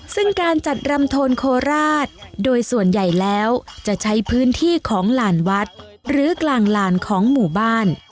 ซึ่งการจัดรำโทนโคราชโดยส่วนใหญ่แล้วจะใช้พื้นที่ของหลานวัดหรือกลางลานของหมู่บ้าน